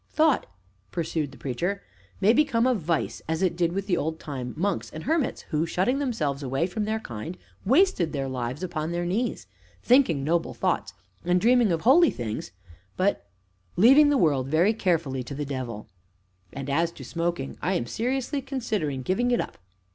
"Thought," pursued the Preacher, "may become a vice, as it did with the old time monks and hermits, who, shutting themselves away from their kind, wasted their lives upon their knees, thinking noble thoughts and dreaming of holy things, but leaving the world very carefully to the devil. And, as to smoking, I am seriously considering giving it up."